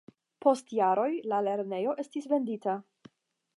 Post jaroj la lernejo estis vendita.